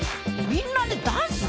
みんなでダンス？